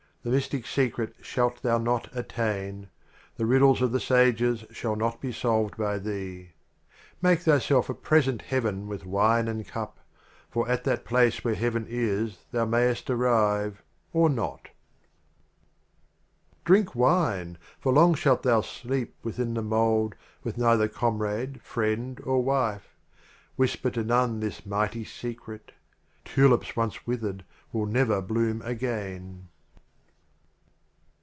the Mystic Secret shalt The Literal thou not attain. Omar The Riddles of the Sages shall not be solved by thee. Make thyself a Present Heaven with Wine and Cup, For at that Place where Heaven is, thou may est arrive, — or not. LZIII. Drink Wine! for long shalt thou sleep within the Mold With neither Comrade, Friend, or Wife. Whisper to none this Mighty Se cret: "Tulips once withered will never bloom again."